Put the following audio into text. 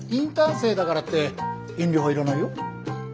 生だからって遠慮はいらないよ。